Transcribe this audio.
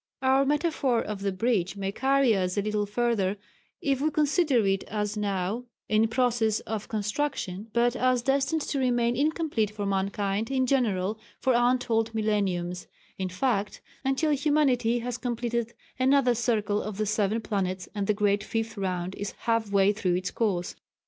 Our metaphor of the bridge may carry us a little further if we consider it as now in process of construction, but as destined to remain incomplete for mankind in general for untold millenniums in fact, until Humanity has completed another circle of the seven planets and the great Fifth Round is half way through its course.